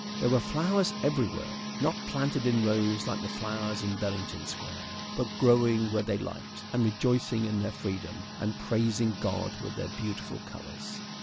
There were flowers everywhere, not planted in rows like the flowers in Bellington Square, but growing where they liked, and rejoicing in their freedom and praising God with their beautiful colours.